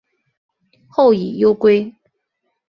后以忧归。